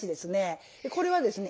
これはですね